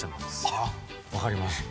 あっわかります。